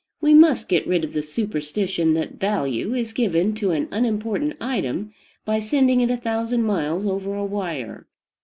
We must get rid of the superstition that value is given to an unimportant "item" by sending it a thousand miles over a wire.